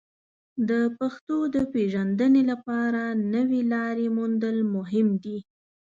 د پښتو د پیژندنې لپاره نوې لارې موندل مهم دي.